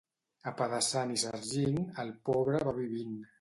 Apedaçant i sargint, el pobre va vivint.